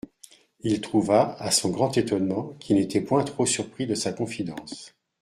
Il trouva, à son grand étonnement, qu'il n'était point trop surpris de sa confidence.